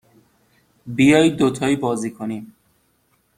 بیایید دوتایی بازی کنیم.